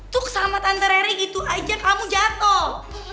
tuk sama tante rere gitu aja kamu jatoh